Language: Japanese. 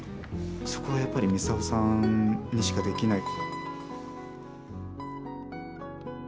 そこはやっぱりミサオさんにしかできない。